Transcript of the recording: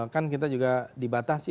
kan kita juga dibatasi